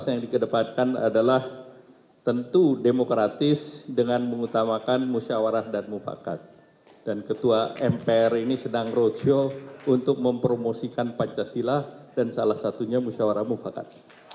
air langga menyindir sejumlah kunjungan asas dan musyawara untuk mufakat